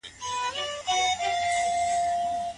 د سړک په بله غاړه کې د مالټو پلورونکی ښکارېده.